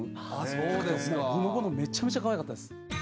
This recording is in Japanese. ぼのぼのめっちゃめちゃかわいかったです。